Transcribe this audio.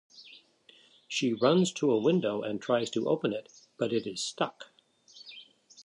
She runs to a window and tries to open it, but it is stuck.